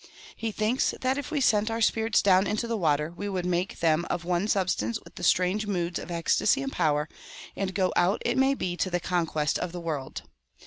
He thinks that if we sent our spirits down into the water we would make them of one substance with strange moods of ecstasy and power, and go out it may be to the conquest of the world.